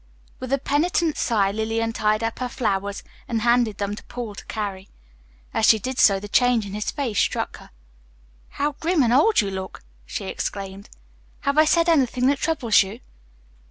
With a penitent sigh, Lillian tied up her flowers and handed them to Paul to carry. As she did so, the change in his face struck her. "How grim and old you look," she exclaimed. "Have I said anything that troubles you?"